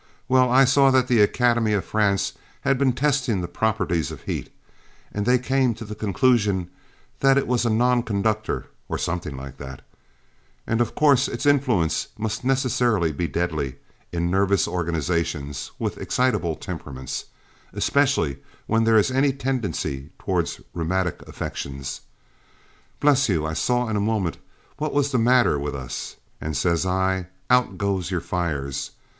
Well, I saw that the Academy of France had been testing the properties of heat, and they came to the conclusion that it was a nonconductor or something like that, and of course its influence must necessarily be deadly in nervous organizations with excitable temperaments, especially where there is any tendency toward rheumatic affections. Bless you I saw in a moment what was the matter with us, and says I, out goes your fires!